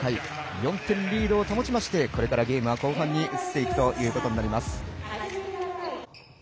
４点リードを保ちましてこれからゲームは後半に移っていくということになります。